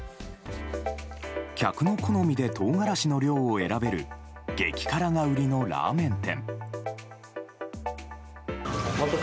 客の好みでトウガラシの量を選べる激辛が売りのラーメン店。